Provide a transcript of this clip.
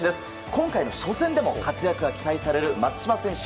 今回の初戦でも活躍が期待される松島選手。